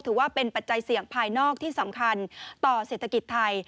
ปัจจัยเสี่ยงภายนอกที่สำคัญต่อเศรษฐกิจไทย